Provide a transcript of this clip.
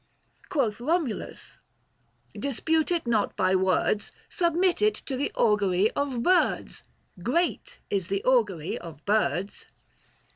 Quoth Komulus, "Dispute it not by words, Submit it to the augury of birds — 940 Great is the augury of birds."